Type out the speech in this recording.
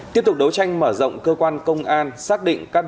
tiếp tục đấu tranh mở rộng cơ quan công an